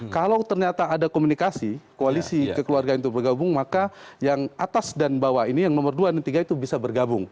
kalau ternyata ada komunikasi koalisi kekeluargaan itu bergabung maka yang atas dan bawah ini yang nomor dua dan tiga itu bisa bergabung